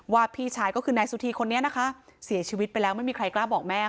พี่ชายก็คือนายสุธีคนนี้นะคะเสียชีวิตไปแล้วไม่มีใครกล้าบอกแม่